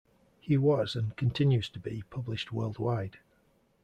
He was and continues to be published worldwide.